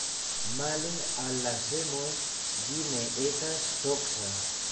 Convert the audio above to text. Male al la semoj ĝi ne etas toksa.